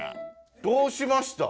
どうしました？